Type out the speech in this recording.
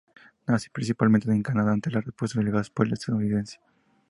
Nace principalmente en Canadá ante la respuesta al "gospel" estadounidense.